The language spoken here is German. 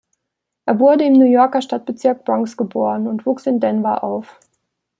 Er wurde im New Yorker Stadtbezirk Bronx geboren und wuchs in Denver auf.